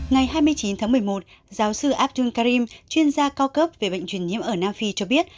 ngày hai mươi chín tháng một mươi một giáo sư abdul karim chuyên gia cao cấp về bệnh truyền nhiễm ở nam phi cho biết